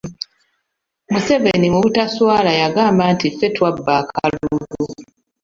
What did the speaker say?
Museveni mu butaswala yagamba nti ffe twabba akalulu.